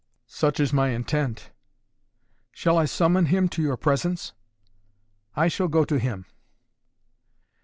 "Such is my intent." "Shall I summon him to your presence?" "I shall go to him!"